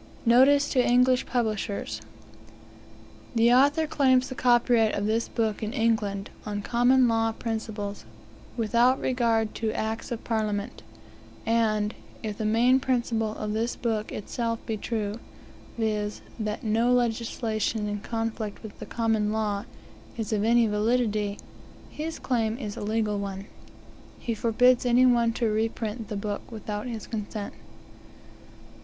NOTICE TO ENGLISH PUBLISHERS The author claims the copyright of this book in England, on Common Law principles, without regard to acts of parliament; and if the main principle of the book itself be true, viz., that no legislation, in conflict with the Common Law, is of any validity, his claim is a legal one. He forbids any one to reprint the book without his consent.